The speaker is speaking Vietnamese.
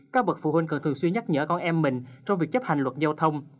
các bậc phụ huynh cần thường xuyên nhắc nhở con em mình trong việc chấp hành luật giao thông